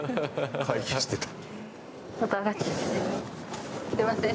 回避してた。